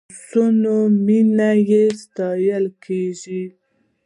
نفساني مینه نه ستایل کېږي.